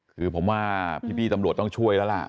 คือผมว่าพี่ตำรวจต้องช่วยแล้วล่ะ